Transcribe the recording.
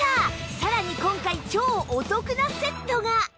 さらに今回超お得なセットが！